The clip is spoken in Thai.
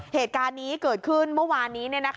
เหตุการณ์นี้เกิดขึ้นเมื่อวานนี้